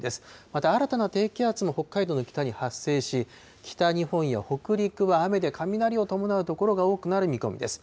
また、新たな低気圧が北海道の北に発生し、北日本や北陸は雨で雷を伴う所が多くなる見込みです。